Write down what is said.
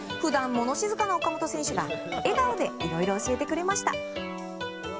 普段、物静かな岡本選手が笑顔でいろいろ教えてくれました。